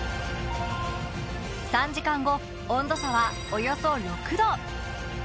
３時間後温度差はおよそ６度。